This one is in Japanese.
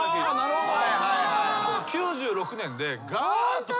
なるほど。